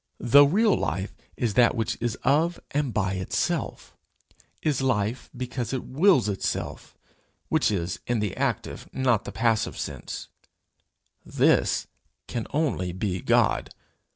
The real life is that which is of and by itself is life because it wills itself which is, in the active, not the passive sense: this can only be God.